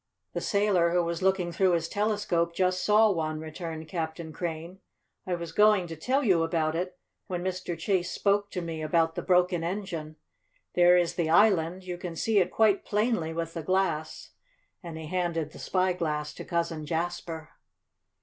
"The sailor who was looking through his telescope just saw one," returned Captain Crane. "I was going to tell you about it when Mr. Chase spoke to me about the broken engine. There is the island; you can see it quite plainly with the glass," and he handed the spy glass to Cousin Jasper.